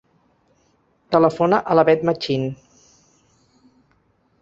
Telefona a la Beth Machin.